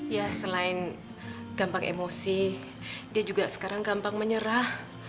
ya selain gampang emosi dia juga sekarang gampang menyerah